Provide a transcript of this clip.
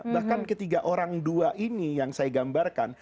bahkan ketiga orang dua ini yang saya gambarkan